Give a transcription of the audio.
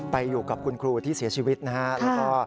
ไปอยู่กับคุณครูที่เสียชีวิตนะคะ